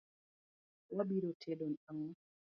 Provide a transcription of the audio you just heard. Wa biro tedo ang'o?